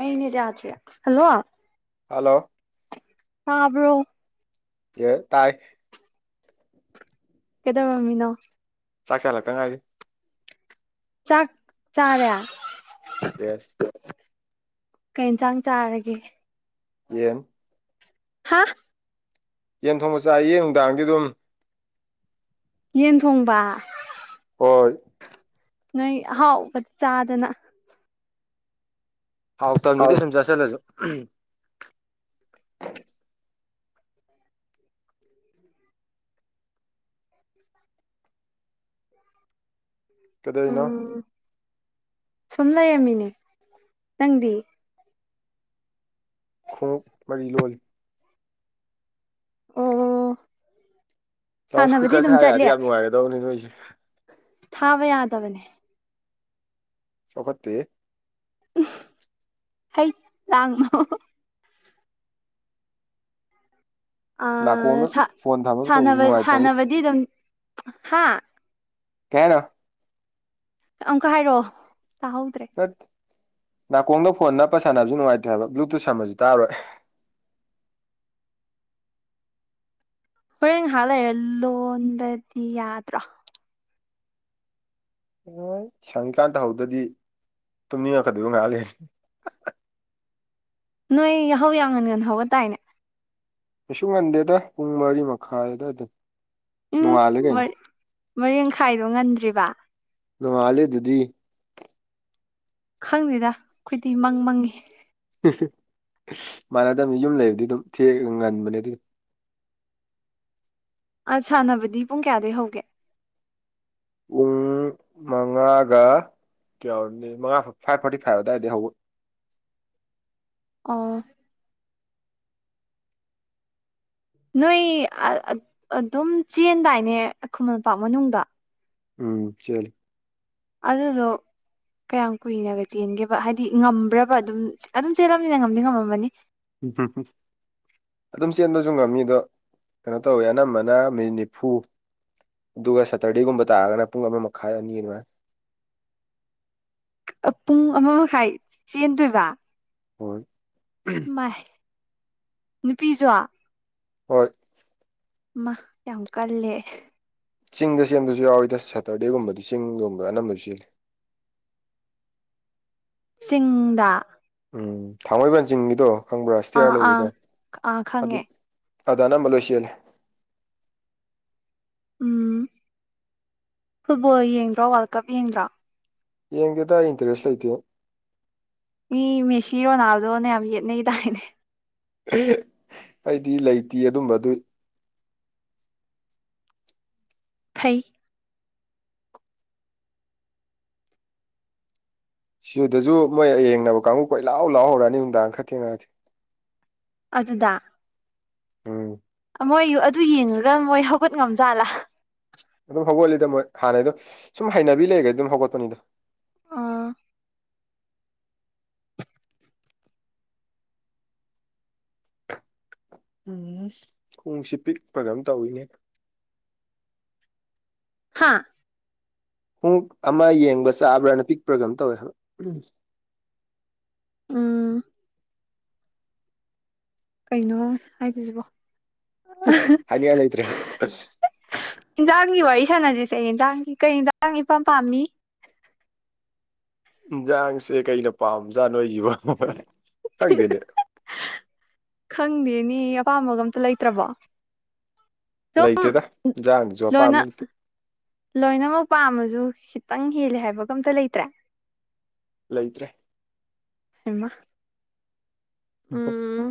ꯑꯩ ꯅꯦꯠ ꯌꯥꯗ꯭ꯔꯦ hello hello ꯇꯥꯕ꯭ꯔꯣ ꯌꯦ ꯇꯥꯏ ꯀꯦꯗꯧꯔꯝꯃꯤꯅꯣ ꯆꯥꯛ ꯆꯥ ꯂꯥꯛꯇ ꯉꯥꯏꯔꯤ ꯆꯥꯛ ꯆꯥꯔꯦ ꯌꯦꯁ ꯀꯩ ꯏꯟꯖꯥꯡ ꯆꯥꯔꯒꯦ ꯌꯦꯝ ꯍꯥ ꯌꯦꯟ ꯊꯣꯡꯕ ꯆꯥꯏꯌꯦ ꯅꯨꯡꯗꯥꯡꯗꯤ ꯗꯨꯝ ꯌꯦꯟ ꯊꯣꯡꯕꯥ ꯍꯣꯏ ꯅꯣꯏ ꯑꯍꯥꯎ ꯕꯠ ꯆꯥꯗꯅ ꯍꯥꯎꯇꯝꯅꯤꯗ ꯁꯨꯝ ꯆꯥꯁꯜꯂꯖꯨ [inaudible] ꯀꯩꯗꯧꯔꯤꯅꯣ ꯎꯝ ꯁꯨꯝ ꯂꯩꯔꯝꯃꯤꯅꯦ ꯅꯪꯗꯤ ꯈꯣꯡꯎꯞ ꯃꯔꯤ ꯂꯣꯜꯂꯤ ꯑꯣ ꯂꯥꯎꯠ ꯁꯥꯟꯅꯕꯗꯤ ꯏꯁꯄꯤꯀꯔ ꯑꯗꯨꯝ ꯊꯥ ꯆꯠꯂꯤ ꯌꯥꯔꯗꯤ ꯌꯥꯝ ꯅꯨꯡꯉꯥꯏꯒꯗꯕꯅꯦ ꯅꯣꯏꯖꯦ ꯊꯥꯕ ꯌꯥꯗꯕꯅꯦ ꯆꯥꯎꯈꯠꯇꯦꯍꯦ ꯎꯝ ꯍꯩꯠ ꯂꯥꯡꯅꯣ ꯑ ꯅꯥꯀꯣꯡꯗ ꯁꯥ ꯐꯣꯟ ꯊꯝꯃꯒ ꯇꯧꯕꯁꯨ ꯁꯥꯟꯅꯕ ꯅꯨꯡꯉꯥꯏꯇꯕꯩ ꯁꯥꯟꯅꯕꯗꯤ ꯗꯨꯝ ꯍꯥ ꯀꯩ ꯍꯥꯏꯅꯣ ꯑꯝꯀ ꯍꯥꯏꯔꯑꯣ ꯇꯥꯍꯧꯗ꯭ꯔꯦ ꯍꯠ ꯅꯥꯀꯣꯡꯗ ꯐꯣꯟ ꯅꯞꯄ ꯁꯥꯟꯅꯕꯖꯦ ꯅꯨꯡꯉꯥꯏꯇꯦ ꯍꯥꯏꯕ ꯕ꯭ꯂꯨꯇꯨꯠ ꯁꯝꯃꯖꯨ ꯇꯥꯔꯣꯏ ꯍꯣꯔꯦꯟ ꯉꯍꯥꯛ ꯂꯩꯔ ꯂꯣꯟꯗꯗꯤ ꯌꯥꯗ꯭ꯔꯣ ꯋꯣꯏ ꯁꯪꯉꯤꯀꯥꯟ ꯇꯍꯧꯗꯗꯤ ꯇꯨꯝꯅꯤꯡꯉꯛꯀꯗꯣꯏꯕ ꯉꯍꯥꯛ ꯂꯩꯔ ꯅꯣꯏ ꯌꯥꯍꯧ ꯌꯥꯝ ꯉꯟ ꯉꯟ ꯍꯧꯒꯠꯇꯥꯏꯅꯦ ꯀꯩꯁꯨ ꯉꯟꯗꯦꯗ ꯄꯨꯡ ꯃꯔꯤ ꯃꯈꯥꯏꯗ ꯑꯗꯥꯏꯗꯟ ꯎꯝ ꯃꯔ ꯃꯔꯤꯡꯈꯥꯏꯗꯣ ꯉꯟꯗ꯭ꯔꯤꯕꯥ ꯅꯣꯡꯉꯥꯜꯂꯤ ꯗꯨꯗꯤ ꯈꯪꯗꯦꯗꯥ ꯈꯣꯏꯗꯤ ꯃꯪ ꯃꯪꯉꯤ ꯑꯦꯍꯦ ꯃꯥꯟꯅꯗꯝꯅꯤ ꯌꯨꯝ ꯂꯩꯕꯗꯤ ꯗꯨꯝ ꯊꯦꯛꯑ ꯉꯟꯕꯅꯦ ꯗꯨ ꯑ ꯁꯥꯟꯅꯕꯗꯤ ꯄꯨꯡ ꯀꯌꯥꯗꯩ ꯍꯧꯒꯦ ꯄꯨꯡ ꯃꯉꯥꯒ ꯀꯌꯥ ꯑꯣꯏꯔꯝꯅꯤ ꯃꯉꯥ ꯐꯥꯏꯚ ꯐꯣꯔꯇꯤ ꯐꯥꯏꯚ ꯑꯗꯥꯏꯗ ꯍꯧꯕ ꯑꯣ ꯅꯣꯏ ꯑ ꯑ ꯑꯗꯨꯝ ꯆꯦꯟꯗꯥꯏꯅꯦ ꯈꯨꯃꯟ ꯂꯝꯄꯥꯛ ꯃꯅꯨꯡꯗ ꯎꯝ ꯆꯦꯜꯂꯤ ꯑꯗꯨꯗꯣ ꯀꯌꯥꯝ ꯀꯨꯏꯅꯒ ꯆꯦꯟꯒꯦꯕ ꯍꯥꯏꯗꯤ ꯉꯝꯕ꯭ꯔꯕ ꯑꯗꯨꯝ ꯑꯗꯨꯝ ꯆꯦꯜꯂꯕꯅꯤꯅ ꯉꯝꯗꯤ ꯉꯝꯃꯝꯃꯅꯤ ꯎꯝ ꯍꯝ ꯑꯗꯨꯝ ꯆꯦꯟꯕꯁꯨ ꯉꯝꯃꯤ ꯑꯗꯣ ꯀꯩꯅꯣ ꯇꯧꯋꯦ ꯑꯅꯝꯕꯅ ꯃꯤꯅꯤꯠ ꯅꯤꯐꯨ ꯑꯗꯨꯒ ꯁꯦꯇꯔꯗꯦꯒꯨꯝꯕ ꯇꯥꯔꯒꯅ ꯄꯨꯡ ꯑꯃ ꯃꯈꯥꯏ ꯑꯅꯤ ꯑꯗꯨꯃꯥꯏꯅ ꯑ ꯄꯨꯡ ꯑꯃ ꯃꯈꯥꯏ ꯆꯦꯟꯗꯣꯏꯕ ꯍꯣꯏ ꯃꯥꯏ ꯅꯨꯄꯤꯖꯣ ꯍꯣꯏ ꯃꯥ ꯌꯥꯝ ꯀꯜꯂꯦ ꯆꯤꯡꯗ ꯆꯦꯟꯕꯁꯨ ꯌꯥꯎꯋꯤꯗ ꯁꯇꯔꯗꯦꯒꯨꯝꯕꯗꯤ ꯆꯤꯡꯒꯨꯝꯕ ꯑꯅꯝꯕꯅ ꯆꯦꯜꯂꯤ ꯆꯤꯡꯗ ꯎꯝ ꯊꯥꯡꯃꯩꯕꯟ ꯆꯤꯡꯒꯤꯗꯣ ꯈꯪꯕ꯭ꯔꯥ ꯏꯁꯇꯤꯌꯥꯔ ꯑꯥ ꯂꯩꯕꯗ ꯑꯥ ꯑꯥ ꯑꯗꯨ ꯈꯪꯉꯦ ꯑꯗ ꯑꯅꯝꯕ ꯂꯣꯏ ꯆꯦꯜꯂꯤ ꯎꯝ ꯐꯨꯠꯕꯣꯜ ꯌꯦꯡꯗ꯭ꯔꯣ ꯋꯥꯔꯜ ꯀꯞ ꯌꯦꯡꯗ꯭ꯔꯣ ꯌꯦꯡꯗꯦꯗ ꯏꯟꯇꯔꯦꯁ ꯂꯩꯇꯦ ꯃꯤ ꯃꯦꯁꯤ ꯔꯣꯅꯥꯜꯗꯣꯅ ꯌꯥꯝ ꯌꯦꯠꯅꯩ ꯗꯥꯏꯅꯦ ꯑꯩꯗꯤ ꯂꯩꯇꯦ ꯑꯗꯨꯝꯕ ꯑꯗꯨ ꯐꯩ ꯁꯤꯗꯁꯨ ꯃꯣꯏ ꯑꯌꯦꯡꯅꯕ ꯀꯥꯡꯕꯨ ꯀꯣꯏ ꯂꯥꯎ ꯂꯥꯎꯍꯧꯔꯛꯑꯅꯤ ꯅꯨꯡꯗꯥꯡ ꯈꯔ ꯊꯦꯡꯉꯛꯑꯗꯤ ꯑꯗꯨꯗ ꯎꯝ ꯃꯣꯏ ꯑꯗꯨ ꯌꯦꯡꯉꯒ ꯃꯣꯏ ꯍꯧꯒꯠ ꯉꯝꯖꯥꯠꯂꯥ ꯑꯗꯨꯝ ꯍꯧꯒꯠꯂꯤꯗ ꯃꯣꯏ ꯍꯥꯟꯅꯩꯗꯣ ꯁꯨꯝ ꯍꯩꯅꯕꯤ ꯂꯩꯈꯒ꯭ꯔꯗꯤ ꯑꯗꯨꯝ ꯍꯧꯒꯠꯄꯅꯤꯗ ꯑꯥ ꯎꯝ ꯅꯨꯡꯁꯤꯠ ꯄꯤꯛꯄ꯭ꯔ ꯀꯩꯅꯣꯝ ꯇꯧꯋꯤꯅꯦ ꯍꯥꯥ ꯎꯝ ꯑꯃ ꯌꯦꯡꯕ ꯆꯥꯕ꯭ꯔꯥꯅ ꯄꯤꯛꯄ꯭ꯔ ꯀꯩꯅꯣꯝ ꯇꯧꯋꯦ ꯍꯥꯏꯕ ꯎꯝ ꯎꯝ ꯀꯩꯅꯣ ꯍꯥꯏꯗꯣꯏꯁꯤꯕꯣ ꯍꯥꯏꯅꯤꯉꯥꯏ ꯂꯩꯇ꯭ꯔꯦ ꯏꯟꯖꯥꯡꯒꯤ ꯋꯥꯔꯤ ꯁꯥꯟꯅꯖꯤꯁꯦ ꯌꯦꯟꯖꯥꯡꯒꯤ ꯀꯩ ꯏꯟꯁꯥꯡ ꯏꯄꯥꯝ ꯄꯥꯝꯃꯤ ꯏꯟꯖꯥꯡꯁꯦ ꯀꯩꯅ ꯄꯥꯝꯖꯥꯠꯅꯣ ꯑꯩꯖꯤꯕꯣ ꯈꯪꯗꯦꯅꯦ ꯈꯪꯗꯦꯅꯦꯌꯦ ꯑꯄꯥꯝꯕꯒ ꯑꯝꯇ ꯂꯩꯇ꯭ꯔꯕꯣ ꯁꯨꯝ ꯂꯩꯇꯦꯗ ꯏꯟꯖꯥꯡꯗꯖꯨ ꯂꯣꯏꯅ ꯑꯄꯥꯝꯕ ꯂꯩꯇꯦ ꯂꯣꯏꯅꯃꯛ ꯄꯥꯝꯃꯁꯨ ꯈꯤꯇꯪ ꯍꯦꯜꯂꯦ ꯍꯥꯏꯕꯀ ꯑꯝꯇ ꯂꯩꯇ꯭ꯔꯦ ꯂꯩꯇ꯭ꯔꯦ ꯍꯩꯃꯥ ꯎꯝ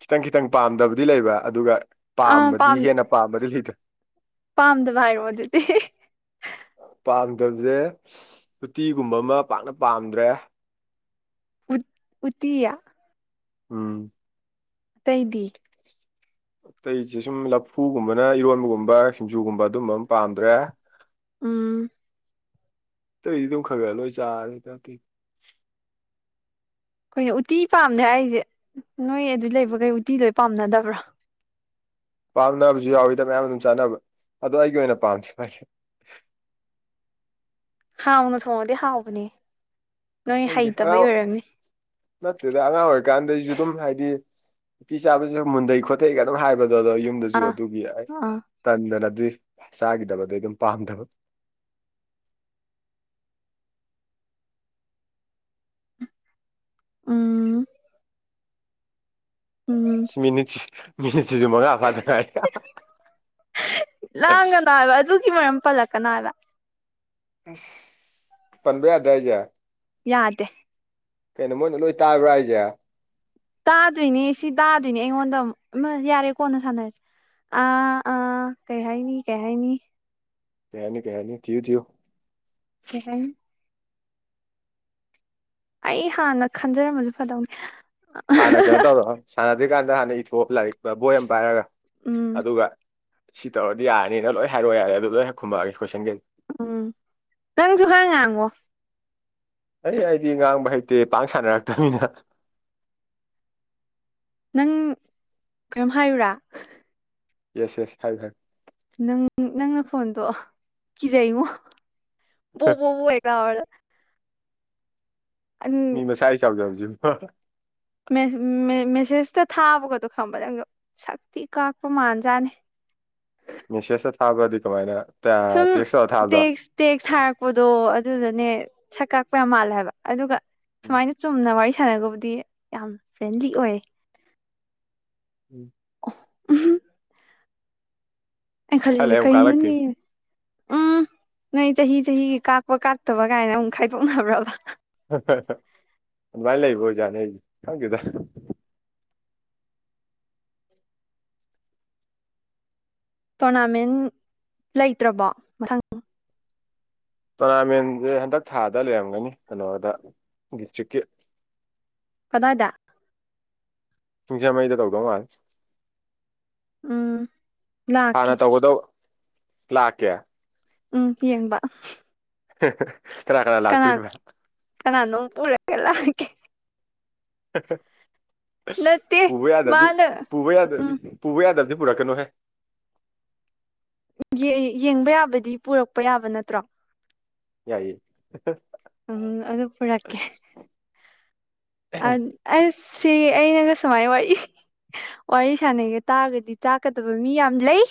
ꯈꯤꯇꯪ ꯈꯤꯇꯪ ꯄꯥꯝꯗꯕꯗꯤ ꯂꯩꯕ ꯑꯗꯨꯒ ꯑꯥ ꯄꯥꯝꯕꯗꯤ ꯄꯥꯝꯗ ꯍꯦꯟꯅ ꯄꯥꯝꯕꯗꯤ ꯂꯩꯇ ꯄꯥꯝꯗꯕ ꯍꯥꯏꯔꯛꯑꯣ ꯑꯗꯨꯗꯤ ꯄꯥꯝꯗꯕꯖꯦ ꯎꯇꯤꯒꯨꯝꯕ ꯑꯃ ꯄꯥꯛꯅ ꯄꯥꯝꯗ꯭ꯔꯦ ꯎꯠ ꯎꯇꯤ ꯎꯝ ꯑꯇꯩꯗꯤ ꯑꯇꯩꯁꯦ ꯁꯨꯝ ꯂꯐꯨꯒꯨꯝꯕꯅ ꯏꯔꯣꯟꯕꯒꯨꯝꯕ ꯁꯤꯡꯖꯨꯒꯨꯝꯕ ꯑꯗꯨꯒꯝꯕ ꯑꯝ ꯄꯥꯝꯗ꯭ꯔꯦ ꯎꯝ ꯑꯇꯩꯗꯤ ꯑꯗꯨꯝ ꯈꯔ ꯈꯔ ꯂꯣꯏ ꯆꯥꯔꯦ ꯅꯠꯇꯦ ꯀꯩꯅꯣ ꯎꯇꯤ ꯄꯥꯝꯗꯦ ꯍꯥꯏꯖꯦ ꯅꯣꯏ ꯑꯗꯨ ꯂꯩꯕꯒꯩ ꯎꯇꯤ ꯂꯣꯏ ꯄꯥꯝꯅꯗꯕ꯭ꯔꯣ ꯄꯥꯝꯅꯕꯖꯨ ꯌꯥꯎꯋꯤꯗ ꯃꯌꯥꯝ ꯑꯗꯨꯝ ꯆꯥꯅꯕ ꯑꯗꯣ ꯑꯩꯒꯤ ꯑꯣꯏꯅ ꯄꯥꯝꯗꯦ [unintelligible] ꯍꯥꯎꯅ ꯊꯣꯡꯉꯗꯤ ꯍꯥꯎꯕꯅꯦ ꯅꯣꯏ ꯈꯪꯗꯦ ꯍꯩꯇꯕꯩ ꯑꯉꯥꯡ ꯑꯣꯏꯔꯝꯅꯤ ꯅꯠꯇꯦꯗ ꯑꯉꯥꯡ ꯑꯣꯏꯔꯤꯀꯥꯟꯗꯩꯖꯨ ꯑꯗꯨꯝ ꯍꯥꯏꯗꯤ ꯎꯇꯤ ꯆꯥꯕꯖꯦ ꯃꯨꯟꯗꯩ ꯈꯣꯠꯊꯩꯒ ꯑꯗꯨꯝ ꯍꯥꯏꯕꯗꯣ ꯑꯗꯣ ꯌꯨꯝ ꯌꯨꯝꯗꯖꯨ ꯑꯥ ꯑꯗꯨꯒꯤ ꯑꯩ ꯑꯥ ꯇꯟꯗꯅ ꯑꯗꯨꯏ ꯆꯥꯒꯤꯗꯕꯗꯩ ꯗꯨꯝ ꯄꯥꯝꯗꯕ ꯎꯝ ꯎꯝ ꯃꯤꯅꯤꯠꯁ ꯃꯤꯅꯤꯠꯁꯤꯖꯨ ꯃꯉꯥ ꯐꯗ ꯉꯥꯏꯔꯤ ꯂꯥꯡꯒꯅꯣ ꯍꯥꯏꯕ ꯑꯗꯨꯒꯤ ꯃꯔꯝ ꯄꯜꯂꯛꯀꯅꯣ ꯍꯥꯏꯕ ꯑꯁ ꯄꯟꯕ ꯌꯥꯗ꯭ꯔꯣ ꯍꯥꯏꯖꯦ ꯌꯥꯗꯦ ꯀꯩꯅꯣ ꯃꯣꯏꯅ ꯂꯣꯏ ꯇꯥꯕ꯭ꯔꯥ ꯍꯥꯏꯖꯦ ꯇꯥꯗꯣꯏꯅꯦ ꯁꯤ ꯇꯥꯗꯣꯏꯅꯦ ꯑꯩꯉꯣꯟꯗ ꯃꯥ ꯌꯥꯔꯦ ꯀꯣꯟꯅ ꯁꯥꯟꯅꯔꯖꯦ ꯑꯥ ꯑꯥ ꯀꯩ ꯍꯥꯏꯅꯤ ꯀꯩ ꯍꯥꯏꯅꯤ ꯀꯩ ꯍꯥꯏꯅꯤ ꯀꯩ ꯍꯥꯏꯅꯤ ꯊꯤꯌꯨ ꯊꯤꯌꯨ ꯀꯩ ꯍꯥꯏꯅꯤ ꯑꯩ ꯍꯥꯟꯅ ꯈꯟꯖꯔꯝꯃꯖꯨ ꯐꯗꯧꯅꯤ ꯍꯥꯟꯅ ꯀꯩꯅꯣ ꯇꯧꯔꯣ ꯁꯥꯟꯅꯗ꯭ꯔꯤꯀꯥꯟꯗ ꯍꯥꯟꯅ ꯏꯊꯣꯛꯑꯣ ꯂꯥꯏꯔꯤꯛꯇ ꯕꯣꯏ ꯑꯝ ꯄꯥꯏꯔꯒ ꯎꯝ ꯑꯗꯨꯒ ꯁꯤ ꯇꯧꯔꯗꯤ ꯌꯥꯔꯅꯤꯅ ꯂꯣꯏ ꯍꯥꯏꯔꯛꯑꯣ ꯌꯥꯔꯦ ꯑꯗꯨ ꯂꯣꯏ ꯍꯦꯛ ꯈꯨꯝꯃꯛꯑꯒꯦ ꯀꯣꯏꯁꯟꯒꯩ ꯎꯝ ꯅꯪꯖꯨ ꯈꯔ ꯉꯥꯡꯉꯣ ꯍꯩ ꯑꯩꯗꯤ ꯉꯥꯡꯕ ꯍꯩꯇꯦ ꯄꯥꯡ ꯁꯥꯟꯅꯔꯛꯇꯝꯅꯤꯅ ꯅꯪ ꯀꯩꯅꯣꯝ ꯍꯥꯏꯌꯨꯔꯥ ꯌꯦꯁ ꯌꯦꯁ ꯍꯥꯏꯌꯨ ꯍꯥꯏꯌꯨ ꯅꯪ ꯅꯪ ꯅꯈꯣꯟꯗꯣ ꯀꯤꯖꯩꯉꯣ ꯕꯣ ꯕꯣ ꯕꯣ ꯍꯦꯛ ꯂꯥꯎꯔꯗ [unintelligible] ꯃꯁꯥꯏ ꯆꯥꯎꯖꯕꯖꯤꯕꯨ ꯍꯥ ꯃꯦ ꯃꯦ ꯃꯦꯁꯦꯁꯇ ꯊꯥꯕꯒꯗꯣ ꯈꯪꯕ ꯅꯪꯗꯣ ꯁꯛ ꯊꯤ ꯀꯥꯛꯄ ꯃꯥꯟꯖꯥꯠꯅꯦ ꯃꯦꯁꯦꯁꯇ ꯊꯥꯕꯗꯤ ꯀꯃꯥꯏꯅ ꯑꯦ ꯁꯨꯝ ꯇꯦꯛꯁ ꯇꯧꯔ ꯊꯥꯕꯗꯣ ꯇꯦꯛꯁ ꯇꯦꯛꯁ ꯊꯔꯛꯄꯗꯣ ꯑꯗꯨꯗꯅꯦ ꯁꯛ ꯀꯥꯛꯄ ꯌꯥꯝ ꯃꯥꯜꯂꯦ ꯍꯥꯏꯕ ꯑꯗꯨꯒ ꯁꯨꯃꯥꯏꯅ ꯆꯨꯝꯅ ꯋꯥꯔꯤ ꯁꯥꯟꯅꯒꯕꯨꯗꯤ ꯌꯥꯝ ꯐ꯭ꯔꯦꯟꯂꯤ ꯑꯣꯏ [inaudible] ꯎꯝꯍꯨꯝ ꯑꯩꯅ ꯈꯔ ꯈꯜꯂꯤꯖꯦ ꯂꯩꯔ ꯑꯃꯨꯛ ꯀꯩꯅꯣꯅꯦ ꯀꯥꯜꯂꯛꯈꯤꯅꯤ ꯎꯝ ꯅꯣꯏ ꯆꯍꯤ ꯆꯍꯤꯒꯤ ꯀꯥꯛꯄ ꯀꯥꯛꯇꯕ ꯀꯥꯏꯅ ꯑꯃꯨꯛ ꯈꯥꯏꯗꯣꯛꯅꯕ꯭ꯔꯥꯕ ꯍꯥꯍꯥ ꯑꯗꯨꯃꯥꯏꯅ ꯂꯩꯕ ꯑꯣꯖꯥꯠꯅꯦ ꯑꯩꯖꯦ ꯈꯪꯗꯦꯗ ꯇꯣꯔꯅꯥꯃꯦꯟ ꯂꯩꯇ꯭ꯔꯕꯣ ꯃꯊꯪ ꯇꯣꯔꯅꯥꯃꯦꯟꯖꯦ ꯍꯟꯗꯛ ꯊꯥꯗ ꯂꯩꯔꯝꯒꯅꯤ ꯀꯩꯅꯣꯗ ꯗꯤꯁꯇ꯭ꯔꯤꯛꯀꯤ ꯀꯗꯥꯏꯗ ꯁꯤꯡꯖꯃꯩꯗ ꯇꯧꯗꯧ ꯃꯥꯜꯂꯦ ꯎꯝ ꯂꯥꯛꯀꯦ ꯍꯥꯟꯅ ꯇꯧꯒꯗꯧ ꯂꯥꯛꯀꯦ ꯎꯝ ꯌꯦꯡꯕ ꯍꯥꯍꯥ ꯀꯅꯥ ꯀꯅꯥ ꯂꯥꯛꯇꯣꯏꯅꯣꯅꯦ ꯀꯅꯥꯅꯣꯝ ꯄꯨꯔꯒ ꯂꯥꯛꯀꯦ ꯍꯥꯍꯥ ꯅꯠꯇꯦ ꯄꯨꯕ ꯌꯥꯗꯕꯗꯤ ꯃꯥꯅ ꯄꯨꯕ ꯌꯥꯗꯕꯗꯤ ꯎꯝ ꯄꯨꯕ ꯌꯥꯗꯕꯗꯤ ꯄꯨꯔꯛꯀꯅꯨꯍꯦ ꯌꯦ ꯌꯦꯡꯕ ꯌꯥꯕꯗꯤ ꯄꯨꯔꯛꯄ ꯌꯥꯕ ꯅꯠꯇ꯭ꯔꯣ ꯌꯥꯏꯌꯦ ꯎꯝ ꯑꯗꯨ ꯄꯨꯔꯛꯀꯦ ꯑꯗ ꯑꯁ ꯁꯤ ꯑꯩꯅꯒ ꯁꯨꯃꯥꯏ ꯋꯥꯔꯤ ꯋꯥꯔꯤ ꯁꯥꯟꯅꯩꯒ ꯇꯥꯔꯒꯗꯤ ꯆꯥꯛꯀꯗꯕ ꯃꯤ ꯌꯥꯝ ꯂꯩ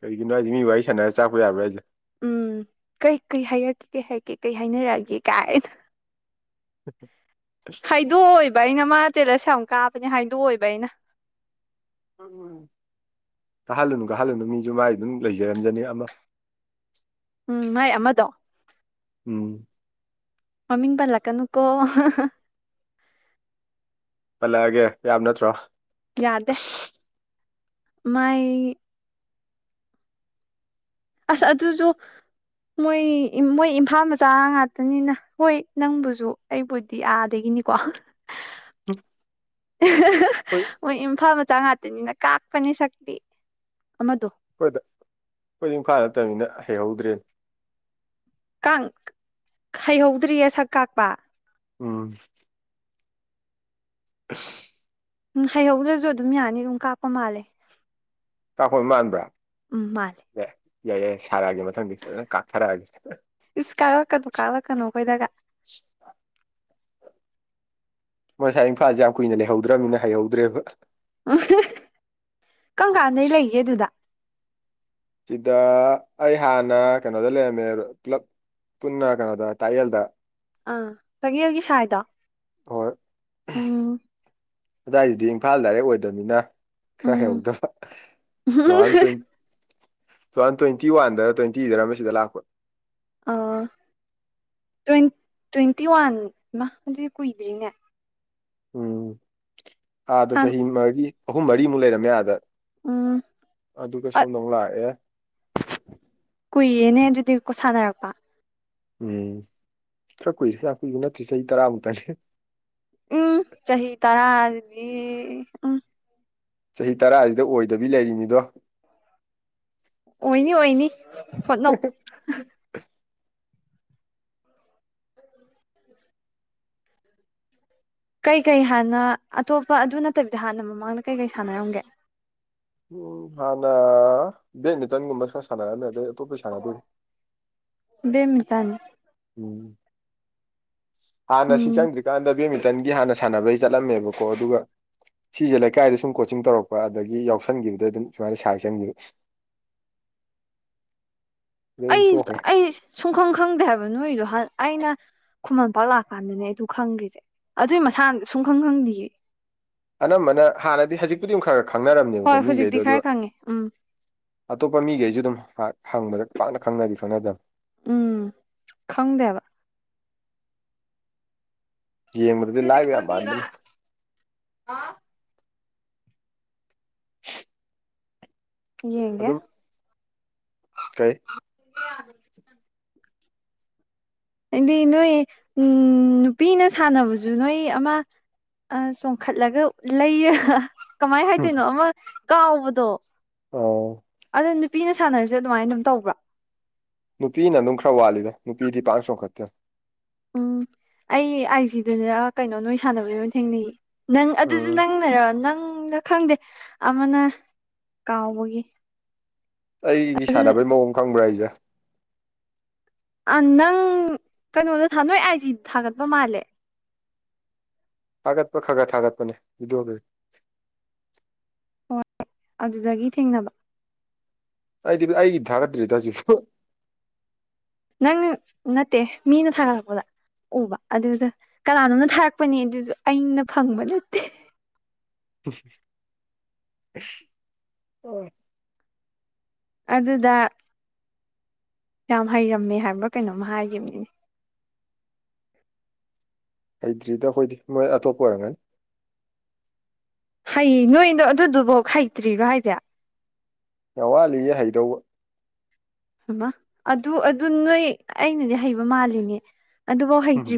ꯀꯩꯒꯤꯅꯣ ꯍꯥꯏꯖꯦ ꯃꯤ ꯋꯥꯔꯤ ꯁꯥꯟꯅꯔꯒ ꯆꯥꯛꯄ ꯌꯥꯕ꯭ꯔꯥ ꯍꯥꯏꯖꯦ ꯎꯝ ꯀꯩ ꯀꯩ ꯍꯥꯏꯔꯛꯀꯦ ꯀꯩ ꯍꯥꯏꯔꯛꯀꯦ ꯀꯩ ꯍꯥꯏꯅꯔꯛꯑꯒꯦ ꯀꯥꯏꯅ ꯎꯝ [inaudible] ꯍꯥꯏꯗꯣꯛꯑꯣꯏꯕ ꯑꯩꯅ ꯃꯥ ꯖꯦꯜꯂꯁ ꯌꯥꯝ ꯀꯥꯕꯅꯦ ꯍꯥꯏꯗꯣꯛꯑꯣꯏꯕ ꯑꯩꯅ ꯎ ꯎ ꯀꯥꯍꯜꯂꯨꯅꯨ ꯀꯥꯍꯜꯂꯨꯅꯨ ꯃꯤꯁꯨ ꯃꯥꯏ ꯑꯗꯨꯝ ꯂꯩꯖꯔꯝꯖꯅꯤ ꯑꯃ ꯎꯝ ꯃꯥꯏ ꯑꯃꯗꯣ ꯎꯝ ꯃꯃꯤꯡ ꯄꯜꯂꯛ ꯀꯅꯨꯀꯣ ꯄꯜꯂꯛꯑꯒꯦ ꯌꯥꯕ ꯅꯠꯇ꯭ꯔꯣ ꯌꯥꯗꯦ ꯃꯥꯏ ꯑꯁ ꯑꯗꯨꯁꯨ ꯃꯣꯏ ꯃꯣꯏ ꯏꯝꯐꯥꯜ ꯃꯆꯥ ꯉꯥꯛꯇꯅꯤꯅ ꯍꯣꯏ ꯅꯪꯕꯨꯁꯨ ꯑꯩꯕꯨꯗꯤ ꯑꯥꯗꯒꯤꯅꯤꯀꯣ ꯎꯝ [inaudible] ꯍ [inaudible] ꯍꯣꯏ ꯍꯣꯏ ꯏꯝꯐꯥꯜ ꯃꯆꯥ ꯉꯥꯛꯇꯅꯤꯅ ꯀꯥꯛꯄꯅꯤ ꯁꯛꯇꯤ ꯑꯃꯗꯣ ꯑꯩꯈꯣꯏꯗ ꯑꯩꯈꯣꯏꯗꯤ ꯏꯝꯐꯥꯜ ꯅꯠꯇꯃꯤꯅ ꯍꯩꯍꯧꯗ꯭ꯔꯦꯅꯦ ꯀꯥꯡ ꯍꯩꯍꯧꯗ꯭ꯔꯤꯌꯦ ꯁꯛ ꯀꯥꯛꯄ ꯎꯝ ꯑꯁ ꯎꯝ ꯍꯩꯍꯧꯗ꯭ꯔꯁꯨ ꯑꯗꯨꯝ ꯌꯥꯅꯤ ꯑꯗꯨꯝ ꯀꯥꯞꯄ ꯃꯥꯜꯂꯦ ꯇꯥꯈꯣꯏ ꯃꯥꯟꯕ꯭ꯔꯥ ꯎꯝ ꯃꯥꯅꯤ ꯌꯥ ꯌꯥꯏ ꯌꯥꯏ ꯁꯥꯔꯛꯑꯒꯦ ꯃꯊꯪꯗꯤ ꯐꯖꯅ ꯀꯥꯞꯊꯔꯛꯑꯒꯦ ꯏꯁ ꯀꯥꯔꯛꯀꯅꯨ ꯀꯥꯂꯛꯀꯅꯨ ꯑꯩꯈꯣꯏꯗꯒ ꯃꯣꯏꯁꯥꯏ ꯏꯝꯐꯥꯜꯁꯦ ꯌꯥꯝ ꯀꯨꯏꯅ ꯂꯩꯍꯧꯗ꯭ꯔꯕꯅꯤꯅ ꯍꯩꯍꯧꯗ꯭ꯔꯦꯕ ꯀꯪ ꯀꯥꯟꯗꯩ ꯂꯩꯒꯦ ꯑꯗꯨꯗ ꯁꯤꯗ ꯑꯩ ꯍꯥꯟꯅ ꯀꯩꯅꯣꯗ ꯂꯩꯔꯝꯃꯦ ꯄꯨꯂꯞ ꯄꯨꯟꯅ ꯀꯩꯅꯣꯗ ꯇꯥꯛꯌꯦꯜꯗ ꯑꯥ ꯇꯛꯌꯦꯜꯒꯤ ꯁꯥꯏꯗꯣ ꯎꯝ ꯑꯗꯥꯏꯗꯗꯤ ꯏꯝꯐꯥꯜ ꯗꯥꯏꯔꯦꯛ ꯑꯣꯏꯗꯕꯅꯤꯅ ꯈꯔ ꯎꯝ ꯍꯩꯍꯧꯗꯕ ꯇꯨꯍꯥꯟ ꯇꯣꯏ ꯇꯨꯍꯥꯟ ꯇ꯭ꯋꯦꯟꯇꯤ ꯋꯥꯟꯗꯔ ꯇ꯭ꯋꯦꯟꯇꯤꯗꯔ ꯑꯃ ꯁꯤꯗ ꯂꯥꯛꯄ ꯑꯥ ꯇꯣꯏꯟ ꯇ꯭ꯋꯦꯟꯇꯤ ꯋꯥꯟ ꯃꯥ ꯑꯗꯨꯗꯤ ꯀꯨꯏꯗ꯭ꯔꯤꯅꯦ ꯎꯝ ꯑꯥꯗ ꯍꯥꯟ ꯆꯍꯤ ꯃꯔꯤ ꯑꯍꯨꯝ ꯃꯔꯤꯃꯨꯛ ꯂꯩꯔꯝꯃꯦ ꯑꯥꯗ ꯎꯝ ꯑꯗꯨꯒ ꯑꯠ ꯁꯣꯝꯗꯃꯨꯛ ꯂꯥꯛꯑꯦ ꯀꯨꯏꯔꯦꯅꯦ ꯑꯗꯨꯗꯤ ꯀꯣ ꯁꯥꯟꯅꯔꯛꯄ ꯎꯝ ꯈꯔ ꯀꯨꯏꯔꯦ ꯌꯥꯝ ꯀꯨꯏꯕ ꯅꯠꯇ꯭ꯔꯤ ꯆꯍꯤ ꯇꯔꯥꯃꯨꯛꯇꯥꯅꯤ ꯎꯝ ꯆꯍꯤ ꯇꯔꯥ ꯑꯗꯨꯗꯤ ꯎꯝ ꯆꯍꯤ ꯇꯔꯥꯁꯤꯗ ꯑꯣꯏꯗꯕꯤ ꯂꯩꯔꯤꯅꯤꯗꯣ ꯑꯣꯏꯅꯤ ꯑꯣꯏꯅꯤ ꯍꯣꯠꯅꯧ ꯀꯩꯀꯩ ꯍꯥꯟꯅ ꯑꯇꯣꯞꯄ ꯑꯗꯨ ꯅꯠꯇꯕꯤꯗ ꯍꯥꯟꯅ ꯃꯃꯥꯡꯗ ꯀꯩꯀꯩ ꯁꯥꯟꯅꯔꯝꯒꯦ ꯎꯝ ꯍꯥꯟꯅ ꯕꯦꯠꯃꯤꯟꯇꯟꯒꯨꯝꯕ ꯈꯔ ꯁꯥꯟꯅꯔꯝꯃꯦ ꯑꯗꯩ ꯑꯇꯣꯞꯄꯩ ꯁꯥꯟꯅꯗꯦꯗ ꯕꯦꯠꯃꯤꯟꯇꯟ ꯎꯝ ꯍꯥꯟꯅ ꯁꯤ ꯎꯝ ꯆꯪꯗ꯭ꯔꯤꯀꯥꯟꯗ ꯕꯦꯠꯃꯤꯟꯇꯟꯒꯤ ꯍꯥꯟꯅ ꯁꯥꯟꯅꯕꯩ ꯆꯠꯂꯝꯃꯦꯕꯀꯣ ꯑꯗꯨꯒ ꯁꯤꯁꯦ ꯂꯩꯀꯥꯏꯗ ꯁꯨꯝ ꯀꯣꯆꯤꯡ ꯇꯧꯔꯛꯄ ꯑꯗꯒꯤ ꯌꯥꯎꯁꯟꯈꯤꯕꯗꯩ ꯑꯗꯨꯝ ꯁꯨꯃꯥꯏꯅ ꯁꯥꯏ ꯆꯪꯈꯤꯕ [inaudible] ꯑꯗꯩ ꯑꯗꯨꯝ ꯑꯩ ꯇꯣꯛꯈ꯭ꯔꯦ ꯑꯩ ꯁꯨꯡꯈꯪ ꯈꯪꯗꯦ ꯍꯥꯏꯕ ꯅꯣꯏꯗꯣ ꯑꯩꯅ ꯈꯨꯃꯟꯂꯝꯄꯥꯛ ꯂꯥꯛꯀꯥꯟꯗꯅꯦ ꯑꯩꯗꯨ ꯈꯪꯈ꯭ꯔꯤꯁꯦ ꯑꯗꯨꯏ ꯃꯁꯥꯅ ꯁꯨꯡ ꯈꯪ ꯈꯪꯗꯤꯌꯦ ꯑꯅꯝꯕꯅ ꯍꯥꯟꯅꯗꯤ ꯍꯧꯖꯤꯛꯄꯨꯗꯤ ꯑꯃꯛ ꯈꯔ ꯈꯔ ꯈꯪꯅꯔꯝꯅꯦꯕꯀꯣ ꯍꯣꯏ ꯍꯧꯖꯤꯛꯇꯤ ꯃꯤꯈꯩꯗꯣ ꯈꯔ ꯑꯗꯨꯒ ꯈꯪꯉꯦ ꯎꯝ ꯑꯇꯣꯞꯄ ꯃꯤꯒꯩꯖꯨ ꯗꯨꯝ ꯄꯥꯛ ꯍꯪꯕꯗ ꯄꯥꯛꯅ ꯈꯪꯅꯗꯤ ꯈꯪꯅꯗꯝꯅꯤ ꯎꯝ ꯈꯪꯗꯦ ꯍꯥꯏꯕ ꯌꯦꯡꯕꯗꯗꯤ ꯂꯥꯏꯕ ꯌꯥꯝ ꯃꯥꯟꯕꯅꯤ ꯍꯥ ꯌꯦꯡꯒꯦ ꯑꯗꯨꯝ ꯀꯩ ꯍꯥꯏꯗꯤ ꯅꯣꯏ ꯎꯝ ꯅꯨꯄꯤꯅ ꯁꯥꯟꯅꯕꯖꯨ ꯅꯣꯏ ꯑꯃ ꯑ ꯆꯣꯡꯈꯠꯂꯒ ꯂꯩꯔꯒ ꯀꯃꯥꯏ ꯍꯥꯏꯗꯣꯏꯅꯣ ꯑꯃ ꯀꯥꯎꯕꯗꯣ ꯑꯥꯎ ꯗꯣ ꯅꯨꯄꯤꯅ ꯁꯥꯟꯅꯔꯖꯨ ꯑꯗꯨꯃꯥꯏꯟ ꯑꯗꯨꯝ ꯇꯧꯕ꯭ꯔ ꯅꯨꯄꯤꯅ ꯑꯅꯨꯝ ꯈꯔ ꯋꯥꯠꯂꯤꯗ ꯅꯨꯄꯤꯗꯤ ꯄꯥꯡ ꯆꯣꯡꯈꯠꯇꯦ ꯎꯝ ꯑꯩ ꯑꯥꯏ ꯁꯤꯗꯅꯔ ꯀꯩꯅꯣ ꯅꯣꯏ ꯁꯥꯟꯅꯕꯗꯣ ꯊꯦꯡꯅꯩꯌꯦ ꯅꯪ ꯑꯗꯨꯖꯨ ꯎꯝ ꯅꯪꯅꯔ ꯅꯪꯂ ꯈꯪꯗꯦ ꯑꯃꯅ ꯀꯥꯎꯕꯒꯤ ꯑꯩꯒꯤ ꯑꯗꯨ ꯁꯥꯟꯅꯕꯩ ꯃꯑꯣꯡ ꯈꯪꯕ꯭ꯔ ꯍꯥꯏꯖꯦ ꯑꯥ ꯅꯪ ꯀꯩꯅꯣꯗ ꯊꯥ ꯅꯣꯏ ꯑꯥꯏꯖꯤꯗ ꯊꯥꯒꯠꯄ ꯃꯥꯜꯂꯦ ꯊꯥꯒꯠꯄ ꯈꯒ ꯊꯥꯒꯠꯄꯅꯦ ꯚꯤꯗ꯭ꯌꯣꯗꯣ ꯍꯣꯏ ꯑꯗꯨꯗꯒꯤ ꯊꯦꯡꯅꯕ ꯑꯩꯗꯤ ꯑꯩꯒꯤ ꯊꯥꯒꯠꯇ꯭ꯔꯤꯗ ꯍꯧꯖꯤꯛꯁꯨ ꯅꯪ ꯅꯠꯇꯦ ꯃꯤꯅ ꯊꯥꯒꯠꯂꯛꯄꯗ ꯎꯕ ꯑꯗꯨꯗ ꯀꯅꯥꯅꯣꯝꯅ ꯊꯥꯔꯛꯄꯅꯤ ꯑꯗꯨꯖꯨ ꯑꯩꯅ ꯐꯪꯕ ꯅꯠꯇꯦ [unintelligible] ꯑꯣ ꯑꯗꯨꯗꯥ ꯌꯥꯝ ꯍꯩꯔꯝꯃꯦ ꯍꯥꯏꯕ ꯀꯩꯅꯣꯝ ꯍꯥꯏꯒꯤꯝꯅꯤꯅꯦ ꯍꯩꯇ꯭ꯔꯤꯗ ꯑꯈꯣꯏꯗꯤ ꯃꯣꯏ ꯑꯇꯣꯞꯄ ꯑꯣꯏꯔꯝꯒꯅꯤ ꯍꯩꯌꯦ ꯅꯣꯏꯗꯣ ꯑꯗꯨꯗꯨꯕꯣꯛ ꯍꯩꯇ꯭ꯔꯤꯔ ꯍꯥꯏꯖꯦ ꯌꯥꯝ ꯋꯥꯠꯂꯤꯌꯦ ꯍꯩꯗꯧꯕ ꯍꯩꯃꯥ ꯑꯗꯨ ꯑꯗꯨ ꯅꯣꯏ ꯑꯩꯅꯗꯤ ꯍꯩꯕ ꯃꯥꯜꯂꯤꯅꯦ ꯑꯗꯨꯕꯣꯛ ꯍꯩꯇ꯭ꯔꯤ